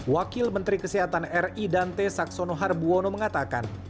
wakil menteri kesehatan ri dante saxono harbuwono mengatakan